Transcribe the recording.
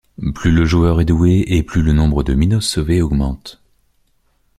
Plus le joueur est doué, et plus le nombre de Minos sauvés augmente.